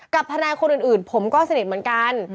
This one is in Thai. กับทนายคนอื่นผมก็สนิทเหมือนกัน